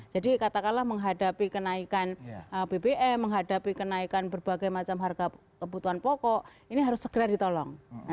jadi katakanlah menghadapi kenaikan bbm menghadapi kenaikan berbagai macam harga kebutuhan pokok ini harus segera ditolong